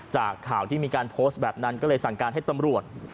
จากข่าวที่มีการโพสต์แบบนั้นก็เลยสั่งการให้ตำรวจ